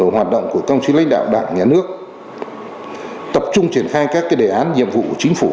hoạt động của công chí lãnh đạo đảng nhà nước tập trung triển khai các đề án nhiệm vụ của chính phủ